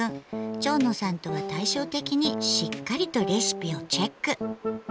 蝶野さんとは対照的にしっかりとレシピをチェック。